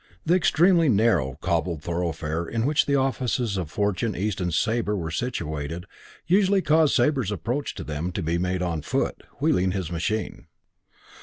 The extremely narrow, cobbled thoroughfare in which the offices of Fortune, East and Sabre were situated usually caused Sabre's approach to them to be made on foot, wheeling his machine.